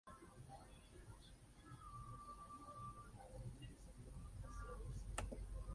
En la actualidad no existe ninguna mina en producción.